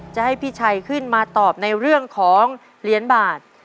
จะให้พี่ชัยขึ้นมาตอบในเรื่องของเหรียญบาท